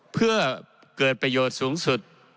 เพื่อเกิดประโยชน์สูงสุด